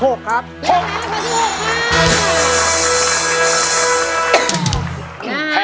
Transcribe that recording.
เพลงที่๖ว่าแบบนี้คุณสงครของเรา